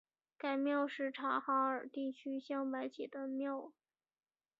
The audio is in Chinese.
该庙是察哈尔地区镶白旗的旗庙。